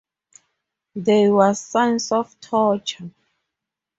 There was signs of torture.